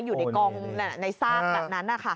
อยู่ในกองในซากแบบนั้นนะคะ